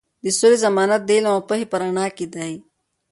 د سولې ضمانت د علم او پوهې په رڼا کې دی.